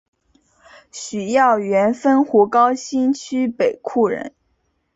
许耀元汾湖高新区北厍人。